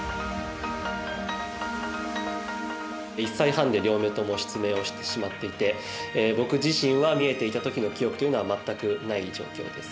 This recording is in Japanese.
１歳半で両目とも失明をしてしまっていて僕自身は見えていたときの記憶というのは全くない状況です。